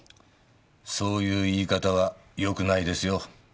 そういう言い方はよくないですよ。